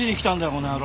この野郎！